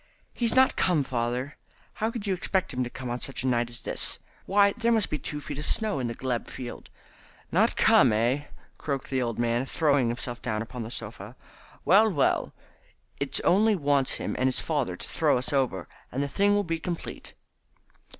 "He's not come, father. How could you expect him to come on such a night as this? Why, there must be two feet of snow in the glebe field." "Not come, eh?" croaked the old man, throwing himself down upon the sofa. "Well, well, it only wants him and his father to throw us over, and the thing will be complete."